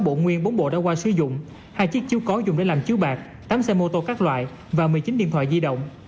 bộ nguyên bốn bộ đã qua sử dụng hai chiếc chiếu có dùng để làm chiếu bạc tám xe mô tô các loại và một mươi chín điện thoại di động